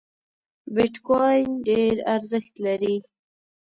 بیټ کواین ډېر ارزښت لري